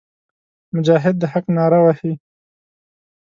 مجاهد د حق ناره وهي.